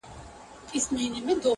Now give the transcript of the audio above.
تر پښو لاندي قرار نه ورکاوه مځکي؛